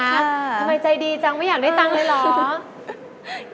ทำไมใจดีจังไม่อยากได้ตังค์เลยเหรอ